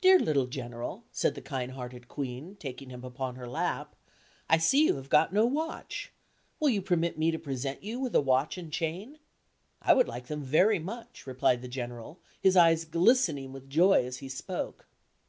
"Dear little General," said the kind hearted Queen, taking him upon her lap, "I see you have got no watch. Will you permit me to present you with a watch and chain?" "I would like them very much," replied the General, his eyes glistening with joy as he spoke.